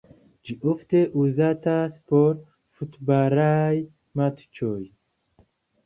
Ĝi ofte uzatas por futbalaj matĉoj.